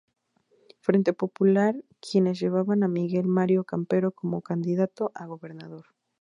Frente Popular" quienes llevaban a Miguel Mario Campero como candidato a gobernador.